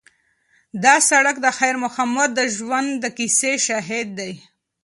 دا سړک د خیر محمد د ژوند د کیسې شاهد دی.